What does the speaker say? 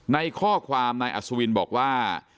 ในข้อความนายอัศวินบอกว่า